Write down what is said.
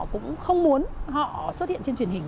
cũng không muốn họ xuất hiện trên truyền hình